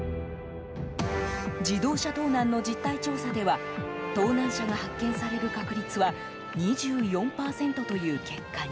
自動車盗難の実態調査では盗難車が発見される確率は２４％という結果に。